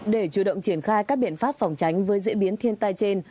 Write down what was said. để chủ động triển khai các biện pháp phòng tránh với diễn biến thiên tai trên